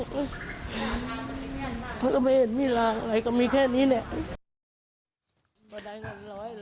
เขาก็ไม่เห็นมีรางอะไรก็มีแค่นี้แหละ